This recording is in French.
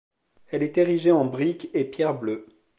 Elle est érigée en briques et pierre bleue.